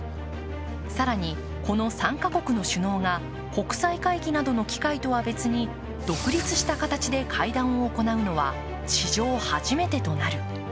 更に、この３か国の首脳が国際会議などの機会とは別に独立した形で会談を行うのは史上初めてとなる。